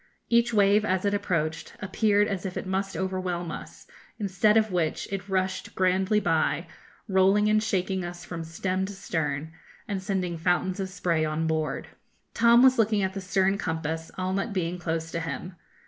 Each wave, as it approached, appeared as if it must overwhelm us, instead of which, it rushed grandly by, rolling and shaking us from stem to stern, and sending fountains of spray on board. [Illustration: Nearly Overboard.] Tom was looking at the stern compass, Allnutt being close to him.